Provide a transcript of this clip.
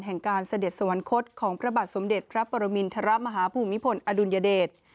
การเสด็จสวรรคตของพระบาทสมเด็จพระปรมินทรมาฮภูมิพลอดุลยเดช